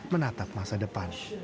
menatap masa depan